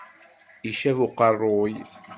Icab uqerruy.